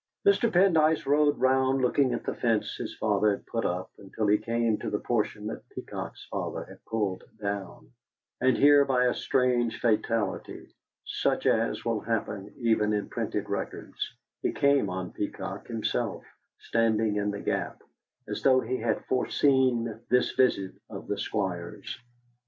Mr. Pendyce rode round looking at the fence his father had put up, until he came to the portion that Peacock's father had pulled down; and here, by a strange fatality such as will happen even in printed records he came on Peacock himself standing in the gap, as though he had foreseen this visit of the Squire's.